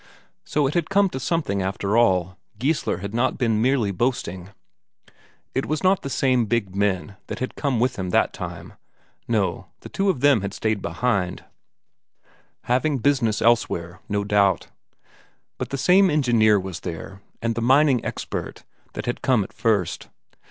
So it had come to something after all; Geissler had not been merely boasting. It was not the same big men that had come with him that time no, the two of them had stayed behind, having business elsewhere, no doubt. But the same engineer was there, and the mining expert that had come at first.